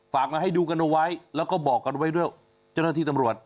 มาให้ดูกันเอาไว้แล้วก็บอกกันไว้ด้วยเจ้าหน้าที่ตำรวจ